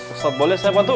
ustadz boleh saya bantu